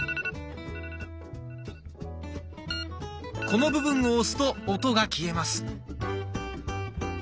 この部分を押すと音が消えます。